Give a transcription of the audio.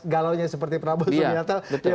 galau seperti prabowo subianto